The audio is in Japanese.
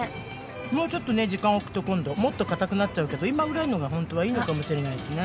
もうちょっと時間おくと今度もっと硬くなっちゃうけど今くらいのがホントはいいのかもしれないですね。